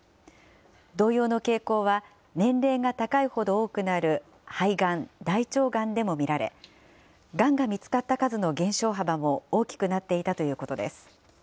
同様の傾向は年齢が高いほど多くなる肺がん、大腸がんでも見られがんが見つかった数の減少幅も大きくなっていたということです。